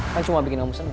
kan cuma bikin kamu seneng